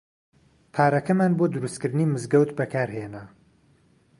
پارەکەمان بۆ دروستکردنی مزگەوت بەکار هێنا.